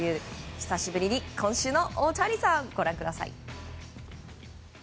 久しぶりに今週の大谷さんご覧ください。